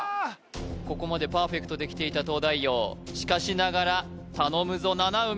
ここまでパーフェクトできていた東大王しかしながら頼むぞ七海